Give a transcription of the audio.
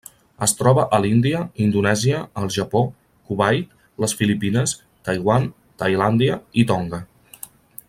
Es troba a l'Índia, Indonèsia, el Japó, Kuwait, les Filipines, Taiwan, Tailàndia i Tonga.